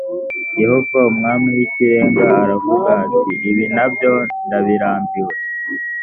yehova umwami w’ ikirenga aravuga ati ibi na byo ndabirambiwe